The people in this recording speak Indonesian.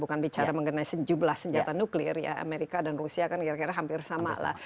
bukan bicara mengenai sejumlah senjata nuklir ya amerika dan rusia kan kira kira hampir sama lah